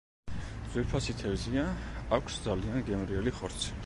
ძვირფასი თევზია, აქვს ძალიან გემრიელი ხორცი.